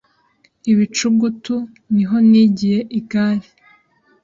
ibicugutu, niho nigiye igare,